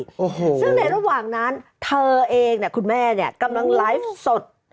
โอ้โหซึ่งในระหว่างนั้นเธอเองคุณแม่กำลังไลฟ์สด